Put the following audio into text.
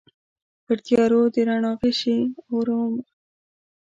پرتیارو د رڼا غشي اورومه